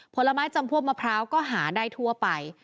ผลไม้จำพวกมะพร้าวก็หาได้ทั่วไป